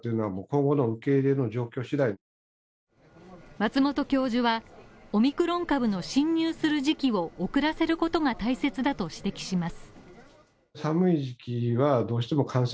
松本教授は、オミクロン株の侵入する時期を遅らせることが大切だと指摘します